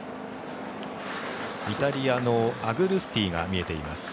イタリアのアグルスティが見えています。